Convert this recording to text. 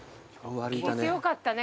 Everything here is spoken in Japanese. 聞いてよかったね